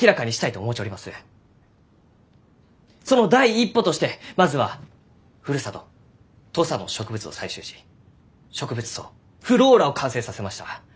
その第一歩としてまずはふるさと土佐の植物を採集し植物相ｆｌｏｒａを完成させました。